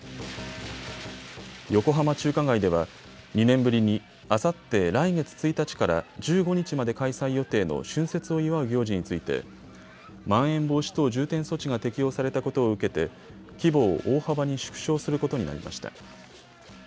横浜中華街では２年ぶりにあさって来月１日から１５日まで開催予定の春節を祝う行事についてまん延防止等重点措置が適用されたことを受けて規模を大幅に縮小することになりました。